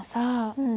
うん。